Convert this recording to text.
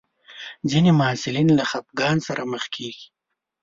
ځینې محصلین له خپګان سره مخ کېږي.